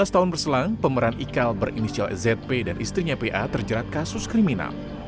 tujuh belas tahun berselang pemeran ikal berinisial zp dan istrinya pa terjerat kasus kriminal